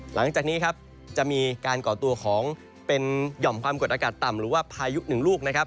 หลังจากนี้จะมีการก่อตัวของเป็นหย่อมความกดอากาศต่ำหรือว่าพายุ๑ลูก